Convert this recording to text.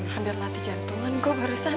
hampir mati jantungan gue barusan